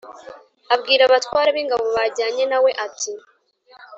abwira abatware b’ingabo bajyanye na we ati